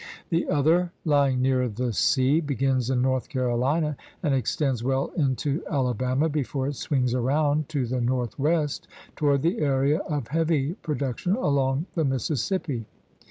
The other, lying nearer the sea, begins in North Carolina and extends well into Alabama before it swings around to the northwest toward the area of heavy produc tion along the Mississippi.